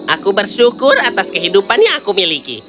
aku bersyukur atas kehidupan yang aku miliki